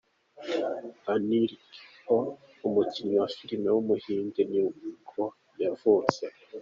Anil Kapoor, umukinnyi wa filime w’umuhinde nibwo yavutse.